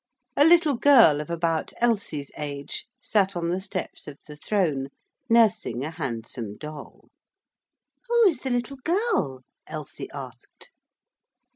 A little girl of about Elsie's age sat on the steps of the throne nursing a handsome doll. 'Who is the little girl?' Elsie asked.